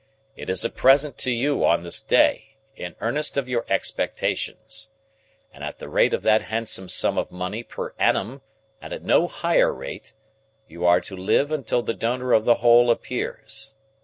It is a present to you on this day, in earnest of your expectations. And at the rate of that handsome sum of money per annum, and at no higher rate, you are to live until the donor of the whole appears.